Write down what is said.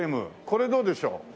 これどうでしょう？